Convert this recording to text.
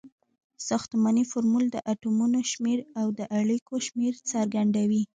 ساختمانی فورمول د اتومونو شمیر او د اړیکو شمیر څرګندوي.